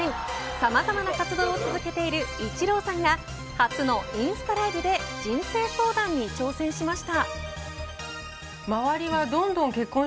さまざまな活動を続けているイチローさんが初のインスタライブで人生相談に挑戦しました。